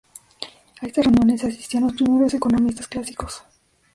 A estas reuniones asistían los primeros economistas clásicos.